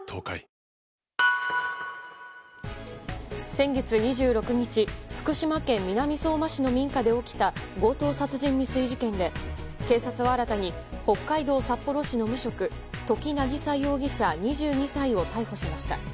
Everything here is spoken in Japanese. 先月２６日福島県南相馬市の民家で起きた強盗殺人未遂事件で警察は新たに北海道札幌市の無職土岐渚容疑者、２２歳を逮捕しました。